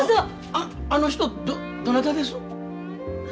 あの人どなたです？